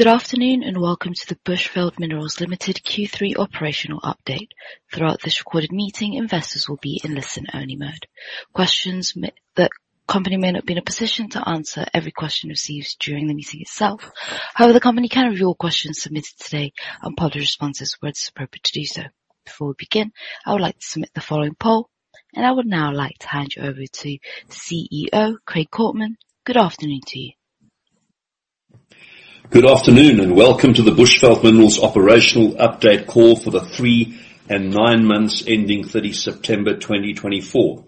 Good afternoon and welcome to the Bushveld Minerals Limited Q3 operational update. Throughout this recorded meeting, investors will be in listen-only mode. Questions, the company may not be in a position to answer every question received during the meeting itself. However, the company can review all questions submitted today and publish responses where it's appropriate to do so. Before we begin, I would like to submit the following poll, and I would now like to hand you over to CEO Craig Coltman. Good afternoon to you. Good afternoon and welcome to the Bushveld Minerals operational update call for the three and nine months ending 30 September 2024.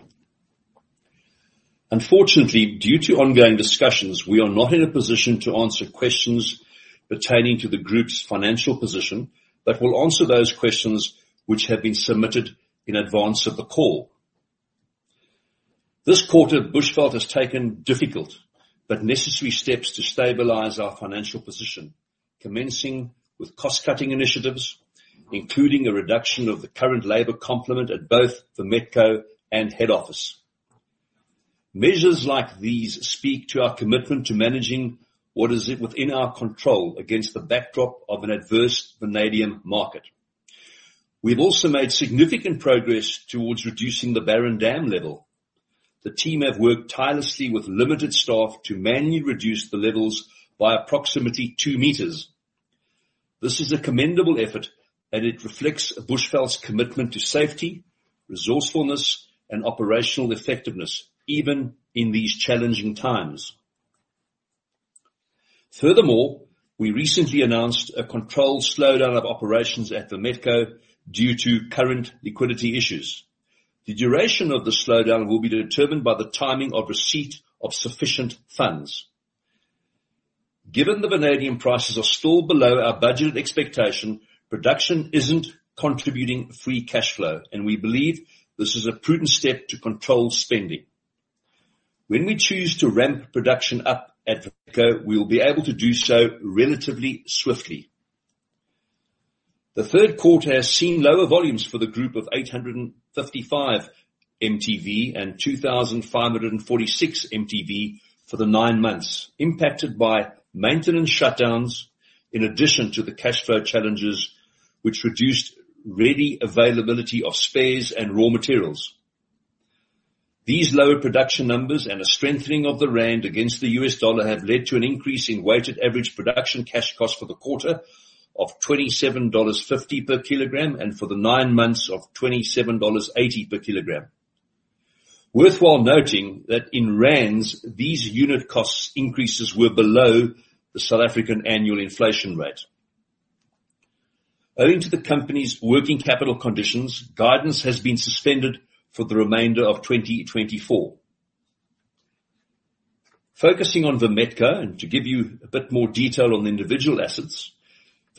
Unfortunately, due to ongoing discussions, we are not in a position to answer questions pertaining to the group's financial position, but we'll answer those questions which have been submitted in advance of the call. This quarter, Bushveld has taken difficult but necessary steps to stabilize our financial position, commencing with cost-cutting initiatives, including a reduction of the current labor complement at both Vametco and head office. Measures like these speak to our commitment to managing what is within our control against the backdrop of an adverse vanadium market. We've also made significant progress towards reducing the Barren dam level. The team have worked tirelessly with limited staff to manually reduce the levels by approximately two meters. This is a commendable effort, and it reflects Bushveld's commitment to safety, resourcefulness, and operational effectiveness, even in these challenging times. Furthermore, we recently announced a controlled slowdown of operations at Vametco due to current liquidity issues. The duration of the slowdown will be determined by the timing of receipt of sufficient funds. Given the vanadium prices are still below our budget expectation, production isn't contributing free cash flow, and we believe this is a prudent step to control spending. When we choose to ramp production up at Vametco, we will be able to do so relatively swiftly. The third quarter has seen lower volumes for the group of 855 MTV and 2,546 MTV for the nine months, impacted by maintenance shutdowns in addition to the cash flow challenges, which reduced ready availability of spares and raw materials. These lower production numbers and a strengthening of the Rand against the US dollar have led to an increase in weighted average production cash cost for the quarter of $27.50 per kilogram and for the nine months of $27.80 per kilogram. Worth noting that in Rands, these unit cost increases were below the South African annual inflation rate. Owing to the company's working capital conditions, guidance has been suspended for the remainder of 2024. Focusing on Vametco, and to give you a bit more detail on the individual assets,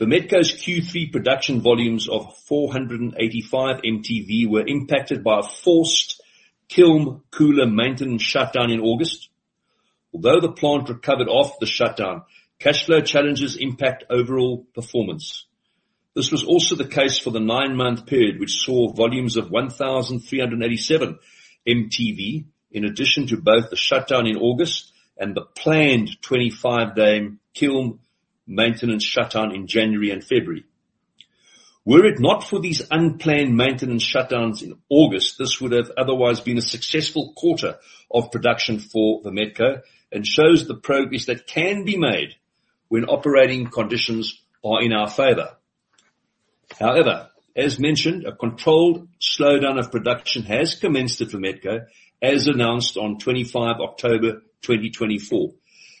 Vametco's Q3 production volumes of 485 MTV were impacted by a forced kiln cooler maintenance shutdown in August. Although the plant recovered off the shutdown, cash flow challenges impact overall performance. This was also the case for the nine-month period, which saw volumes of 1,387 MTV in addition to both the shutdown in August and the planned 25-day kiln maintenance shutdown in January and February. Were it not for these unplanned maintenance shutdowns in August, this would have otherwise been a successful quarter of production for Vametco and shows the progress that can be made when operating conditions are in our favor. However, as mentioned, a controlled slowdown of production has commenced at Vametco, as announced on 25 October 2024.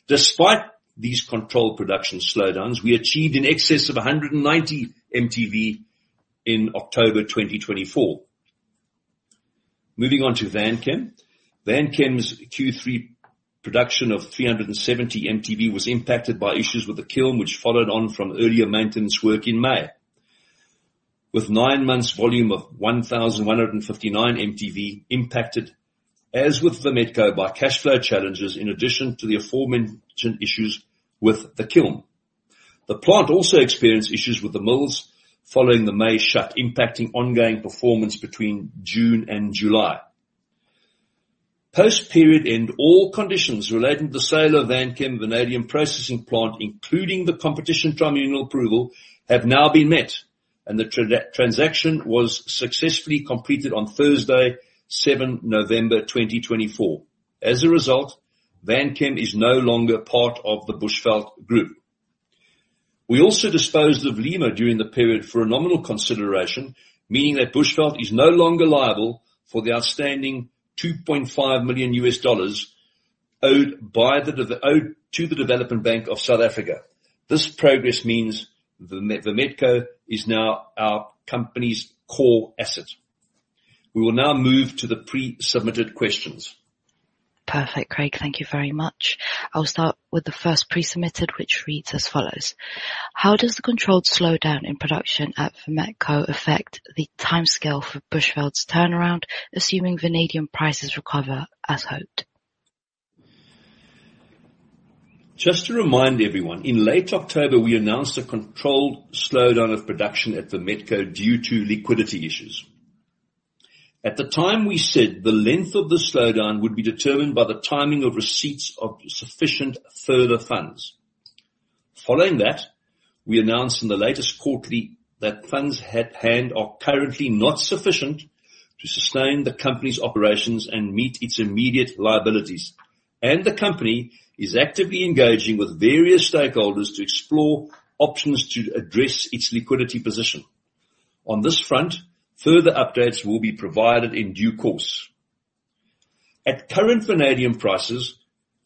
Despite these controlled production slowdowns, we achieved an excess of 190 MTV in October 2024. Moving on to Vanchem, Vanchem's Q3 production of 370 MTV was impacted by issues with the kiln, which followed on from earlier maintenance work in May, with nine months' volume of 1,159 MTV impacted, as with Vametco, by cash flow challenges in addition to the aforementioned issues with the kiln. The plant also experienced issues with the mills following the May shut, impacting ongoing performance between June and July. Post-period end, all conditions relating to the Vanchem vanadium processing plant, including the Competition Tribunal approval, have now been met, and the transaction was successfully completed on Thursday, 7 November 2024. As a result, Vanchem is no longer part of the Bushveld Group. We also disposed of Lemur during the period for a nominal consideration, meaning that Bushveld is no longer liable for the outstanding $2.5 million owed to the Development Bank of South Africa. This progress means Vametco is now our company's core asset. We will now move to the pre-submitted questions. Perfect, Craig. Thank you very much. I'll start with the first pre-submitted, which reads as follows: How does the controlled slowdown in production at Vametco affect the timescale for Bushveld's turnaround, assuming vanadium prices recover as hoped? Just to remind everyone, in late October, we announced a controlled slowdown of production at Vametco due to liquidity issues. At the time, we said the length of the slowdown would be determined by the timing of receipts of sufficient further funds. Following that, we announced in the latest quarterly that funds at hand are currently not sufficient to sustain the company's operations and meet its immediate liabilities, and the company is actively engaging with various stakeholders to explore options to address its liquidity position. On this front, further updates will be provided in due course. At current vanadium prices,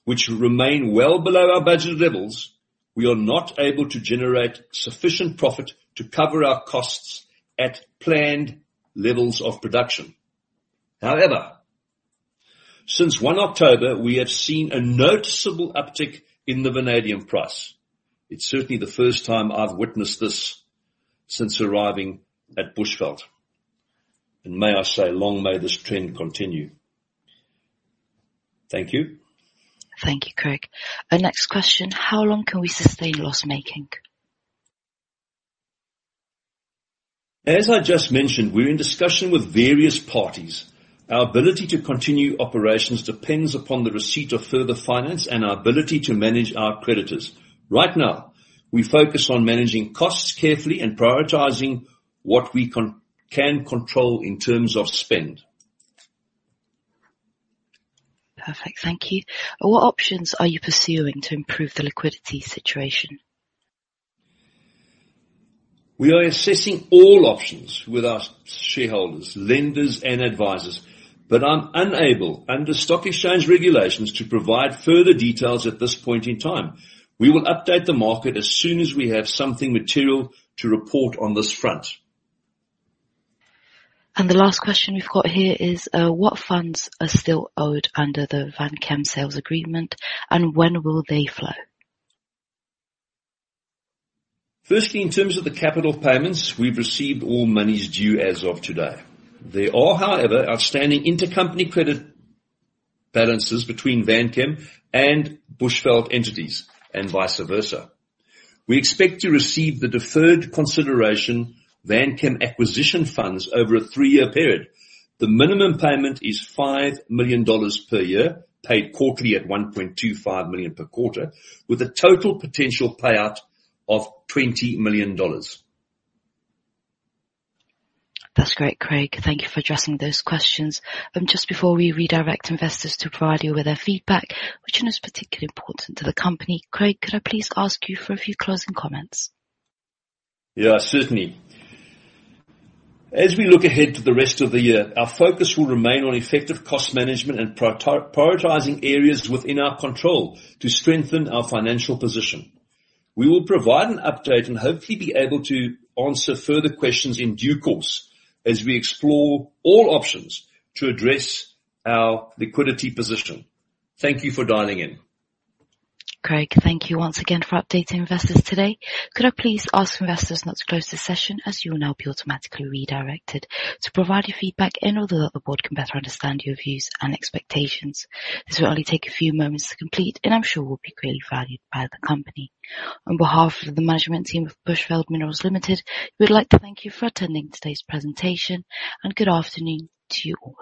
which remain well below our budget levels, we are not able to generate sufficient profit to cover our costs at planned levels of production. However, since 1 October, we have seen a noticeable uptick in the vanadium price. It's certainly the first time I've witnessed this since arriving at Bushveld, and may I say, long may this trend continue. Thank you. Thank you, Craig. Our next question: How long can we sustain loss-making? As I just mentioned, we're in discussion with various parties. Our ability to continue operations depends upon the receipt of further finance and our ability to manage our creditors. Right now, we focus on managing costs carefully and prioritizing what we can control in terms of spend. Perfect. Thank you. What options are you pursuing to improve the liquidity situation? We are assessing all options with our shareholders, lenders, and advisors, but I'm unable, under stock exchange regulations, to provide further details at this point in time. We will update the market as soon as we have something material to report on this front. The last question we've got here is: What funds are still owed under the Vanchem sales agreement, and when will they flow? Firstly, in terms of the capital payments, we've received all monies due as of today. There are, however, outstanding intercompany credit balances between Vanchem and Bushveld entities, and vice versa. We expect to receive the deferred consideration Vanchem acquisition funds over a three-year period. The minimum payment is $5 million per year, paid quarterly at $1.25 million per quarter, with a total potential payout of $20 million. That's great, Craig. Thank you for addressing those questions. And just before we redirect investors to provide you with their feedback, which is particularly important to the company, Craig, could I please ask you for a few closing comments? Yeah, certainly. As we look ahead to the rest of the year, our focus will remain on effective cost management and prioritizing areas within our control to strengthen our financial position. We will provide an update and hopefully be able to answer further questions in due course as we explore all options to address our liquidity position. Thank you for dialing in. Craig, thank you once again for updating investors today. Could I please ask investors not to close the session, as you will now be automatically redirected to provide your feedback in order that the board can better understand your views and expectations? This will only take a few moments to complete, and I'm sure will be greatly valued by the company. On behalf of the management team of Bushveld Minerals Limited, we would like to thank you for attending today's presentation, and good afternoon to you all.